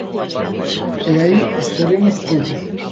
E aí estaremos todos.